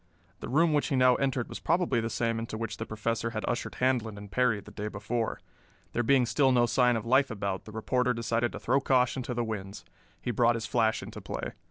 The room which he now entered was probably the same into which the Professor had ushered Handlon and Perry the day before. There being still no sign of life about, the reporter decided to throw caution to the winds. He brought his flash into play.